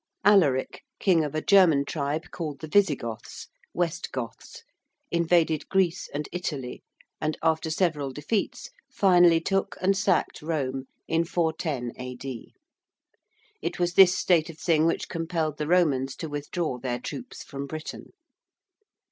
~Alaric~, king of a German tribe called the Visigoths (West Goths) invaded Greece and Italy, and after several defeats finally took and sacked Rome in 410 A.D. It was this state of thing which compelled the Romans to withdraw their troops from Britain.